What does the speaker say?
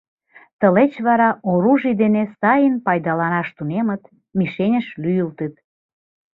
Тылеч вара оружий дене сайын пайдаланаш тунемыт, мишеньыш лӱйылтыт.